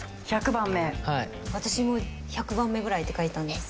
私も１００番目ぐらいって書いたんです。